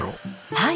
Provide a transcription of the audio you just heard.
はい。